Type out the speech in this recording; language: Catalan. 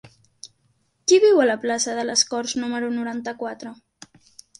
Qui viu a la plaça de les Corts número noranta-quatre?